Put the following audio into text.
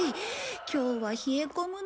今日は冷え込むな。